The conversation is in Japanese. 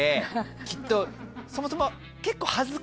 きっとそもそも結構。